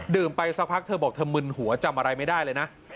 ไปสักพักเธอบอกเธอมึนหัวจำอะไรไม่ได้เลยนะ